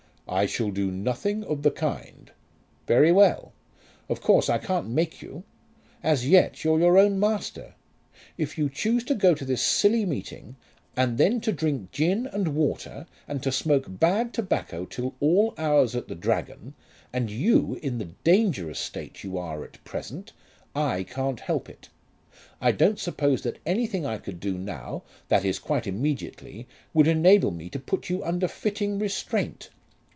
"I shall do nothing of the kind." "Very well. Of course I can't make you. As yet you're your own master. If you choose to go to this silly meeting and then to drink gin and water and to smoke bad tobacco till all hours at the Dragon, and you in the dangerous state you are at present, I can't help it. I don't suppose that anything I could do now, that is quite immediately, would enable me to put you under fitting restraint."